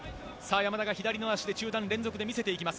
山田が左の足で中段、連続で見せてきます。